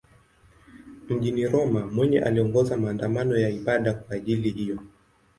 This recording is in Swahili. Mjini Roma mwenyewe aliongoza maandamano ya ibada kwa ajili hiyo.